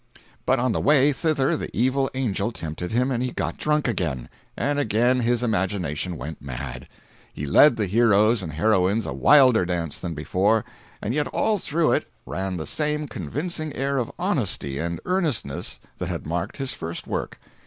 But on the way thither the evil angel tempted him and he got drunk again. And again his imagination went mad. He led the heroes and heroines a wilder dance than ever; and yet all through it ran that same convincing air of honesty and earnestness that had marked his first work.